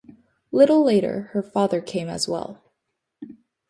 Little later her father came as well.